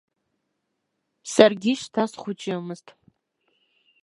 Саргьы шьҭа схәыҷымызт.